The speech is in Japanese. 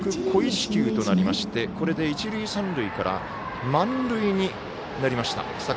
故意四球となりましてこれで一塁三塁から満塁になりました。